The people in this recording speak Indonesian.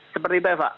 seperti itu eva